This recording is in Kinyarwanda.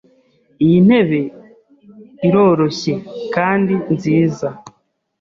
Iyi ntebe iroroshye kandi nziza.